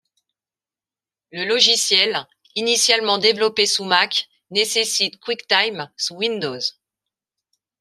Le logiciel, initialement développé sous Mac, nécessite QuickTime sous Windows.